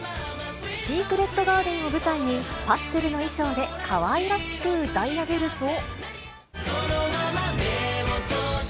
シークレットガーデンを舞台に、パステルの衣装でかわいらしく歌い上げると。